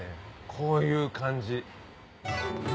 こういう感じ。